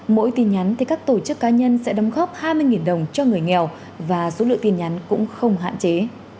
mỗi tin nhắn thì các tổ chức cá nhân sẽ đóng góp hai mươi đồng cho người nghèo và số lượng tin nhắn cũng không hạn chế